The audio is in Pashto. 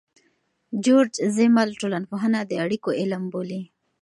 جورج زیمل ټولنپوهنه د اړیکو علم بولي.